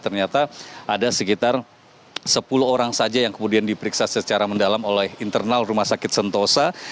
ternyata ada sekitar sepuluh orang saja yang kemudian diperiksa secara mendalam oleh internal rumah sakit sentosa